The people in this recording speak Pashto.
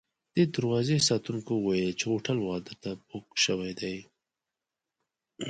د دروازې ساتونکو ویل چې هوټل واده ته بوک شوی دی.